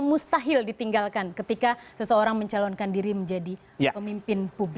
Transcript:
tak tahil ditinggalkan ketika seseorang mencalonkan diri menjadi pemimpin publik